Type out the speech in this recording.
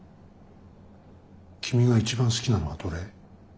君が一番好きなのはどれ？